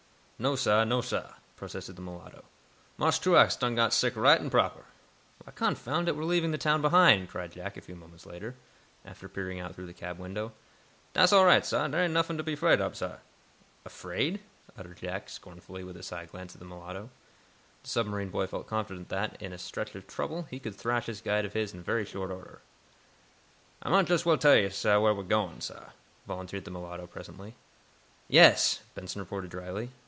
"No, sah; no, sah," protested the mulatto. "Marse Truax done got sick right and proper." "Why, confound it, we're leaving the town behind," cried Jack, a few moments later, after peering out through the cab window. "Dat's all right, sah. Dere ain' nuffin' to be 'fraid ob, sah." "Afraid?" uttered Jack, scornfully, with a side glance at the mulatto. The submarine boy felt confident that, in a stretch of trouble, he could thrash this guide of his in very short order. "Ah might jess well tell yo' wheah we am gwine, sah," volunteered the mulatto, presently. "Yes," Benson retorted, drily.